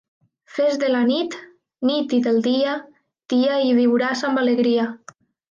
Fes de la nit, nit i del dia, dia i viuràs amb alegria.